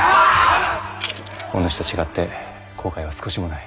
お主と違って後悔は少しもない。